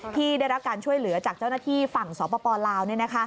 ที่ได้รับการช่วยเหลือจากเจ้าหน้าที่ฝั่งสปลาว